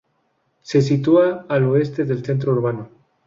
Se sitúa al oeste del centro urbano.